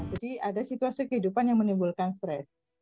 jadi ada situasi kehidupan yang menimbulkan stres